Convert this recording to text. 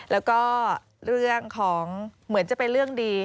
แล้วก็เรื่องของเหมือนจะเป็นเรื่องดี